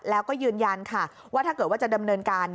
แล้วก็ยืนยันค่ะว่าถ้าเกิดว่าจะดำเนินการ